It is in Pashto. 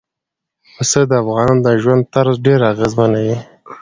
پسه د افغانانو د ژوند طرز ډېر اغېزمنوي.